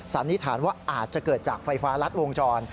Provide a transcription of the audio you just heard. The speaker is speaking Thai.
สันนิษฐานว่าอาจจะเกิดจากไฟฟ้ารัดวงจร